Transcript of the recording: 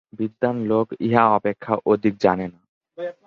বিদ্বান লোক ইহা অপেক্ষা অধিক জানে না।